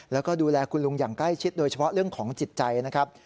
แล้วก็ดูแลคุณลุงอย่างใกล้ชิดโดยเฉพาะเรื่องของจิตใจนะครับ